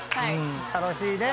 楽しいね。